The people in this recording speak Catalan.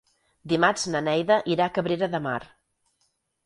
Dimarts na Neida irà a Cabrera de Mar.